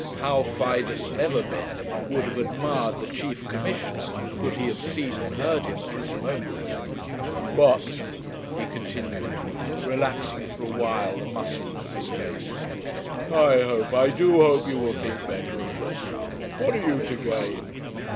How Fidus Neverbend would have admired the chief commissioner could he have seen and heard him at this moment! 'But,' he continued, relaxing for a while the muscles of his face, 'I hope, I do hope, you will think better of this. What are you to gain?